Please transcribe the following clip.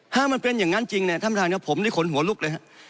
ถ้ามันเป็นอย่างนั้นจริงเนี่ยท่านประธานครับผมนี่ขนหัวลุกเลยฮะ